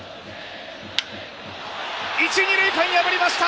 一・二塁間破りました。